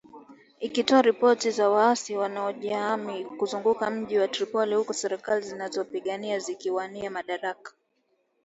Ikitoa ripoti za waasi wanaojihami kuzunguka mji mkuu Tripoli huku serikali zinazopingana zikiwania madaraka